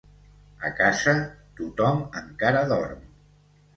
A casa, tothom encara dorm